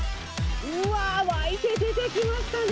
うわー、湧いて出てきましたね。